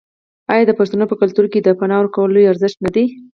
آیا د پښتنو په کلتور کې د پنا ورکول لوی ارزښت نه دی؟